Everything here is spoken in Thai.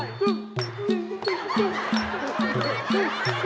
ไอ้หนู